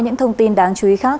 những thông tin đáng chú ý khác